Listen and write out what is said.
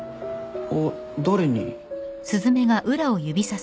あっ誰に？